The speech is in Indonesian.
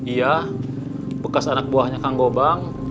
iya bekas anak buahnya kang bobang